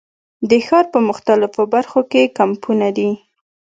د ښار په مختلفو برخو کې یې کمپونه دي.